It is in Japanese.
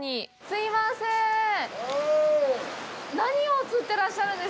すいませーん。